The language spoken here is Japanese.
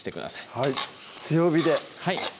はい強火ではい